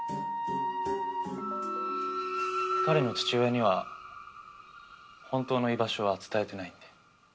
彼の父親には本当の居場所は伝えてないんで。